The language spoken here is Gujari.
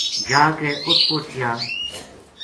جا کے ات پوہچیا